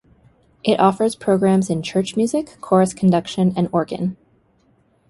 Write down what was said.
It offers programs in church music, chorus conduction and organ.